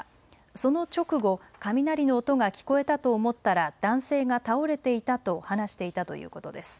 その直後、雷の音が聞こえたと思ったら男性が倒れていたと話していたということです。